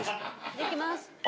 いきます。